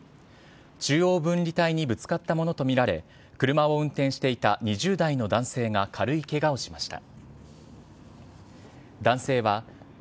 中央分離帯にぶつかったものと見られ、車を運転していた２０代の男性が軽いけがをしました。